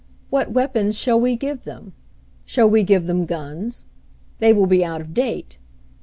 What weapons shall we give them? "Shall we give them guns? They will be out of date.